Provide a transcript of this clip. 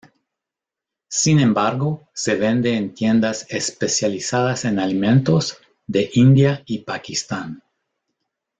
Sin embargo se vende en tiendas especializadas en alimentos de India y Pakistán.